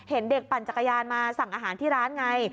เห็นเด็กปั่นจักรยานมาสั่งอาหารที่ร้านไง